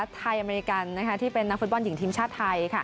อเมริกันที่เป็นนักฟุตบอลหญิงทีมชาติไทย